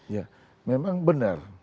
ya memang benar